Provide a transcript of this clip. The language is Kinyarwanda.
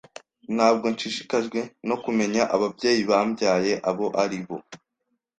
Ntabwo nshishikajwe no kumenya ababyeyi bambyaye abo ari bo.